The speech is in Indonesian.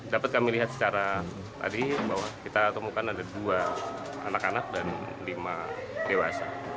dapat kami lihat secara tadi bahwa kita temukan ada dua anak anak dan lima dewasa